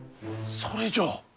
それじゃ。